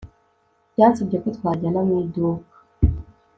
yansabye ko twajyana mu iduka